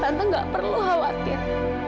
tante nggak perlu khawatir